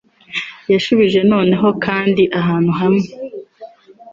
yashubije noneho kandi ahantu hamwe